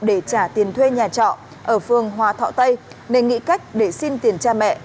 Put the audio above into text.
để trả tiền thuê nhà trọ ở phương hòa thọ tây nên nghĩ cách để xin tiền cha mẹ